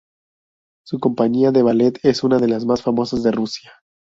Su compañía de ballet es una de las más famosas de Rusia.